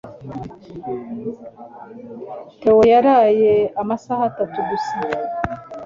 Theo yaraye amasaha atatu gusa.